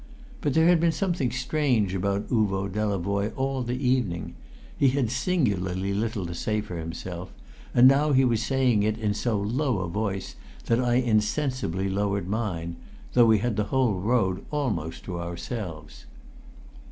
But there had been something strange about Uvo Delavoye all the evening; he had singularly little to say for himself, and now he was saying it in so low a voice that I insensibly lowered mine, though we had the whole road almost to ourselves.